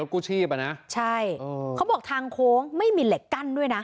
กู้ชีพอ่ะนะใช่เขาบอกทางโค้งไม่มีเหล็กกั้นด้วยนะ